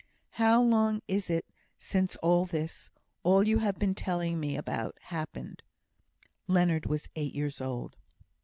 "How long is it since all this all you have been telling me about happened?" (Leonard was eight years old.)